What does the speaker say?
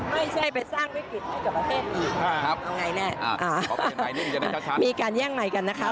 ไม่ใช่ไปสร้างวิกฤติให้กับประเทศดี